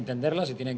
dan harus menahan